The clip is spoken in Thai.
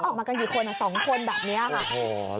แล้วออกมากันกี่คนอ่ะสองคนแบบเนี้ยค่ะโอ้โห